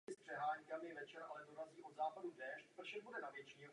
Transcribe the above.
Sestava se rozšířila na devět zpěvaček.